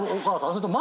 それとも。